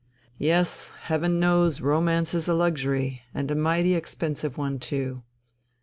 "Yes, Heaven knows romance is a luxury, and a mighty expensive one too!